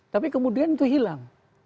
tapi kemudian itu hilang